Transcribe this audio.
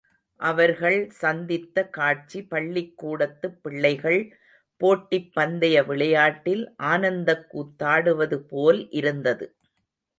அவர்கள் சந்தித்த காட்சி பள்ளிக்கூடத்துப் பிள்ளைகள் போட்டிப் பந்தய விளையாட்டில் ஆனந்தக்கூத்தாடுவது போல் இருந்தது.